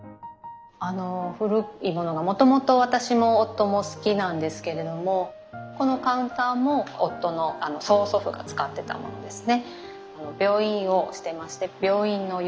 あの古いものがもともと私も夫も好きなんですけれどもこのカウンターも夫の曽祖父が使ってたものですね。